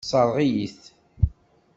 Tessṛeɣ-iyi-t.